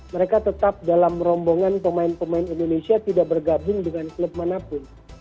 mereka tetap dalam rombongan pemain pemain indonesia tidak bergabung dengan klub manapun